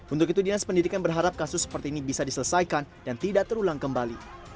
untuk itu dinas pendidikan berharap kasus seperti ini bisa diselesaikan dan tidak terulang kembali